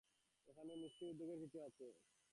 এখানে কি আসলেই উদ্বেগের কিছু আছে?